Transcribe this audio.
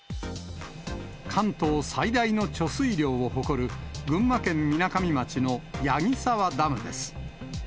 関東最大の貯水量を誇る群馬県みなかみ町の矢木沢ダムです。